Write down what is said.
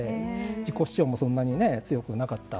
自己主張もそんなに強くなかった。